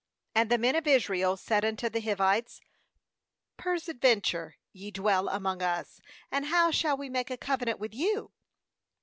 7And the men of Israel said unto the Hi vites: 'Peradventure ye dwell among us; and how shall we make a covenant with you?'